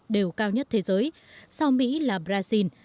đều cao nhất thế giới sau mỹ là brazil